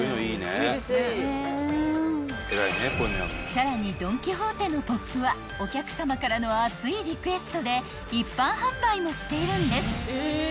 ［さらにドン・キホーテのＰＯＰはお客さまからの熱いリクエストで一般販売もしているんです］